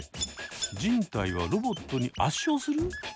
人体はロボットに圧勝する！？